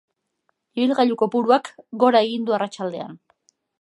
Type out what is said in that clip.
Ibilgailu kopuruak gora egin du arratsaldean.